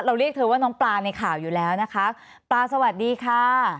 เรียกเธอว่าน้องปลาในข่าวอยู่แล้วนะคะปลาสวัสดีค่ะ